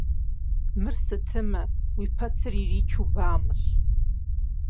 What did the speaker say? Мыр сытымэ, уи пэцыр иричу бамэщ!